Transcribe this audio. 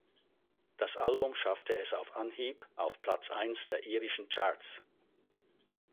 Das Album schaffte es auf Anhieb auf Platz eins der irischen Charts.